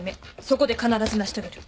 そこで必ず成し遂げる。